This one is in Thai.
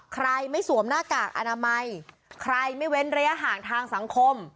ใครไม่สวมหน้ากากอนามัยใครไม่เว้นระยะห่างทางสังคม